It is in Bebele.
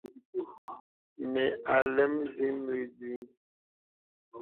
Mə alɛm zə̀ mì dùgha.